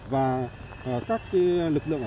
và các lực lượng